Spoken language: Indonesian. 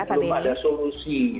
kemudian belum ada solusi